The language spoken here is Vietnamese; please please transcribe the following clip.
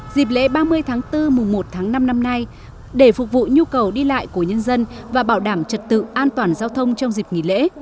dịp lễ ba mươi tháng bốn mùa một tháng năm năm nay để phục vụ nhu cầu đi lại của nhân dân và bảo đảm trật tự an toàn giao thông trong dịp nghỉ lễ